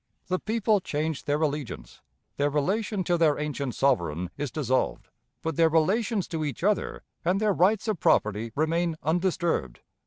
The people change their allegiance; their relation to their ancient sovereign is dissolved; but their relations to each other and their rights of property remain undisturbed."